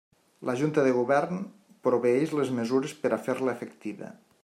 La Junta de Govern proveeix les mesures per a fer-la efectiva.